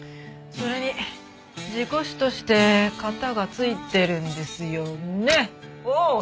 それに事故死として片が付いてるんですよね？